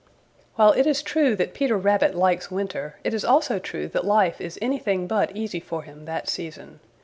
While it is true that Peter Rabbit likes winter, it is also true that life is anything but easy for him that season.